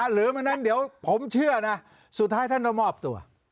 หรือไม่งั้นเดี๋ยวผมเชื่อนะสุดท้ายท่านต้องมอบตัว